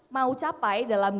mau capai dalam